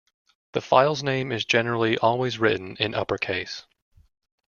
The file's name is generally always written in upper case.